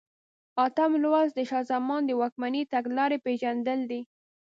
اتم لوست د شاه زمان د واکمنۍ تګلارې پېژندل دي.